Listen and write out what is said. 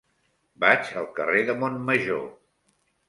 Vaig al carrer de Montmajor.